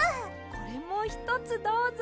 これもひとつどうぞ。